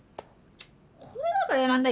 これだから嫌なんだよ